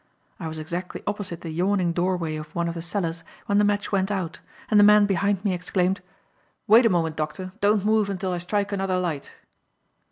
I was exactly opposite the yawning doorway of one of the cellars when the match went out, and the man behind me exclaimed: "Wait a moment, Doctor! Don't move until I strike another light."